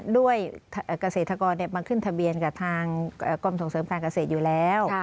ด้วยเกษตรกรมาขึ้นทะเบียนกับทางกรมส่งเสริมการเกษตรอยู่แล้ว